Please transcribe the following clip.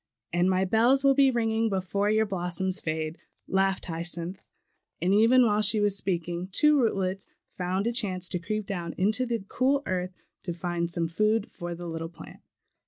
"And my bells will be ringing, before your blossoms fade," laughed Hyacinth; and even while she was speaking, two rootlets found a chance to creep down into the cool earth to find some food for the little plant.